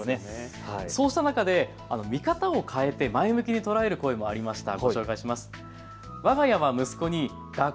そうした中で見方を変えて前向きに捉える声もありました。